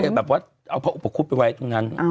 ก็เลยแบบว่าเอาอุปกรุบไปไว้ตรงนั้น